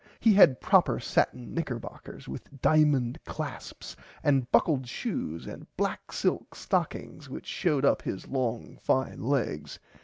He had proper satin knickerbockers with diamond clasps and buckled shoes and black silk stockings which showed up his long fine legs.